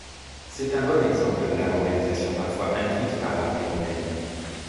C'est un bon exemple de la romanisation parfois induite par l'armée romaine.